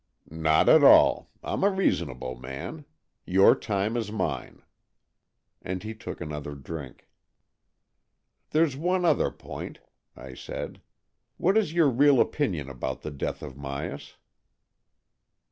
" Not at all. I'm a reasonable man. Your time is mine." And he took another drink. " There's one other point," I said. " What is your real opinion about the death of Myas